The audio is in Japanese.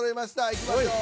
いきましょう。